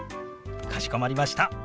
かしこまりました。